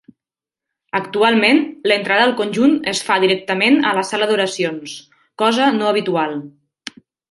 Actualment, l'entrada al conjunt es fa directament a la sala d'oracions, cosa no habitual.